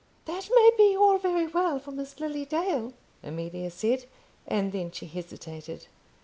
"That may be all very well for Miss Lily Dale " Amelia said, and then she hesitated.